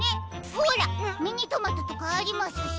ほらミニトマトとかありますし。